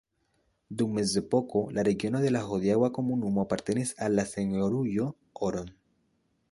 Dum mezepoko la regiono de la hodiaŭa komunumo apartenis al la Senjorujo Oron.